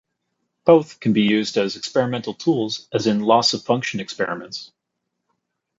Both can be used as experimental tools, as in loss-of-function experiments.